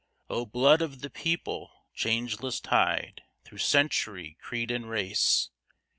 O blood of the people! changeless tide, through century, creed, and race!